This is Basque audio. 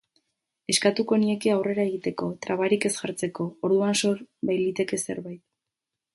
Eskatuko nieke aurrera egiteko, trabarik ez jartzeko, orduan sor bailiteke zerbait.